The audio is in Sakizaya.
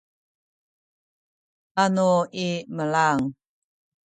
anu imelang